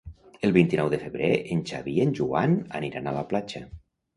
El vint-i-nou de febrer en Xavi i en Joan aniran a la platja.